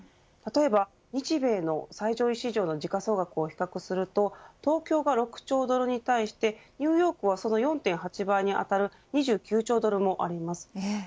例えば日米の最上位市場の時価総額を比較すると東京が６兆ドルに対してニューヨークはその４．８倍にあたる２９兆ドルもあります。